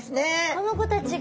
この子たちが。